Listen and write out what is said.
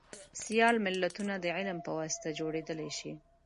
سیال ملتونه دعلم په واسطه جوړیدلی شي